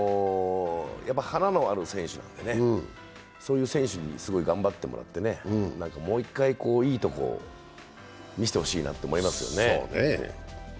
花のある選手なので、そういう選手にすごい頑張ってもらってもう一回、いいところを見せてほしいなと思いますよね。